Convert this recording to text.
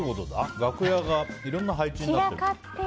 楽屋がいろんな配置になってる？